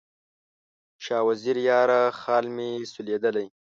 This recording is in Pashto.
شاه وزیره یاره، خال مې سولېدلی